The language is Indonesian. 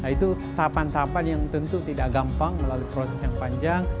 itu tahapan tahapan yang tentu tidak gampang melalui proses yang panjang